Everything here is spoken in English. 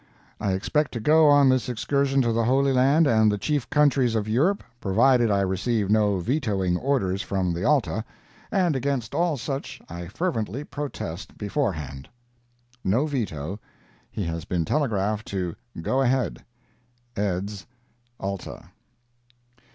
I expect to go on this excursion to the Holy Land and the chief countries of Europe, provided I receive no vetoing orders from the ALTA—and against all such I fervently protest beforehand.—[No veto. He has been telegraphed to "go ahead." EDS. ALTA.